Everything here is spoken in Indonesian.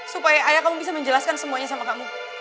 supaya ayah kamu bisa menjelaskan semuanya sama kamu